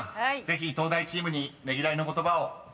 ぜひ東大チームにねぎらいの言葉を］